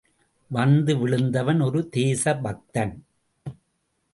வந்து விழுந்தவன் ஒரு தேசபக்தன்.